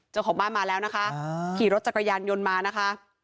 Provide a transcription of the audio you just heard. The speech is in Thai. เจ้าของบ้านมาแล้วนะคะขี่รถจักรยานยนต์มานะคะ